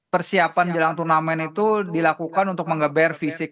persiapan jelang turnamen itu dilakukan untuk mengeber fisik